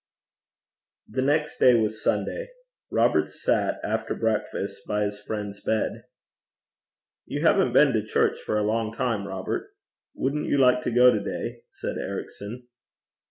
The next day was Sunday. Robert sat, after breakfast, by his friend's bed. 'You haven't been to church for a long time, Robert: wouldn't you like to go to day?' said Ericson.